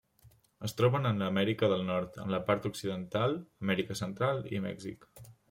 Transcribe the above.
Es troben en l'Amèrica del Nord, en la part occidental, Amèrica Central i Mèxic.